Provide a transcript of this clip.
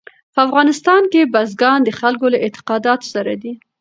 په افغانستان کې بزګان د خلکو له اعتقاداتو سره دي.